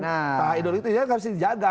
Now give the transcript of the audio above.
nah ideologi itu tidak harus dijaga